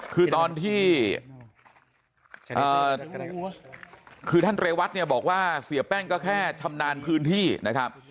คือตอนที่คือท่านเรวัตเนี่ยบอกว่าเสียแป้งก็แค่ชำนาญพื้นที่นะครับ